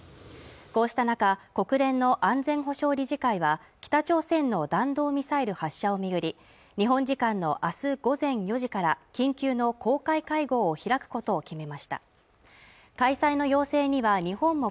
こうした中国連の安全保障理事会は北朝鮮の弾道ミサイル発射を巡り日本時間のあす午前４時から緊急の公開会合を開くことを決めました開催の要請には日本も